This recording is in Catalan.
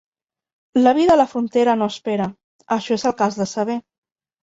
La vida a la frontera no espera; això és el que has de saber.